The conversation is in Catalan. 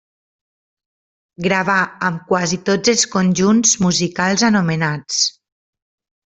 Gravà amb quasi tots els conjunts musicals anomenats.